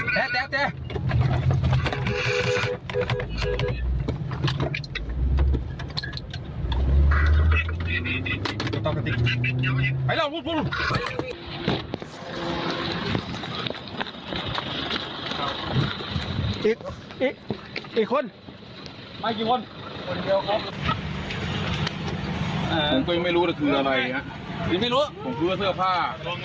มีอะไรอย่างนี้ครับยังไม่รู้ผมคือว่าเสื้อผ้า